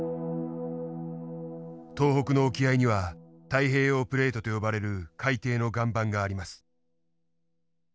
東北の沖合には太平洋プレートと呼ばれる海底の岩盤があります。